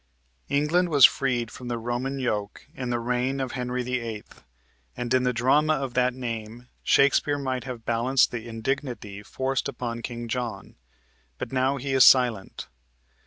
England was freed from the Roman yoke in the reign of Henry VIII., and in the drama of that name Shakespeare might have balanced the indignity forced upon King John, but now he is silent.